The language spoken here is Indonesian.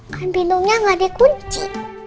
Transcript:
kan bingungnya gak ada kunci